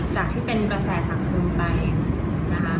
จากที่เป็นกระแสสังคมไปนะคะ